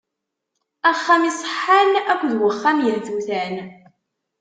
Axxam iṣeḥḥan akked uxxam yehtutan.